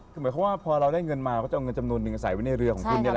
คือหมายความว่าพอเราได้เงินมาก็จะเอาเงินจำนวนหนึ่งใส่ไว้ในเรือของคุณนี่แหละ